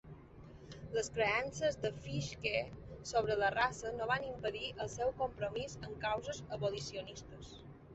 Les creences de Fiske sobre la raça no van impedir el seu compromís amb causes abolicionistes.